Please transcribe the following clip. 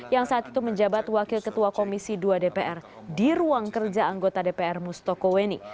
yang saat itu menjabat wakil ketua komisi dua dpr di ruang kerja anggota dpr mustoko weni